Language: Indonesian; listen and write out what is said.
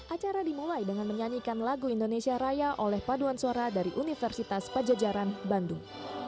acara dimulai dengan menyanyikan lagu indonesia raya oleh paduan suara dari universitas pajajaran bandung